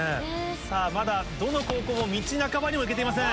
さぁまだどの高校も道半ばにも行けていません。